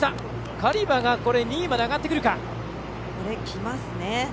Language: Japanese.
カリバが２位まで上がってくるか。